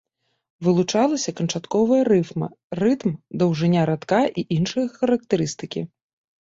Вылучалася канчатковая рыфма, рытм, даўжыня радка і іншыя характарыстыкі.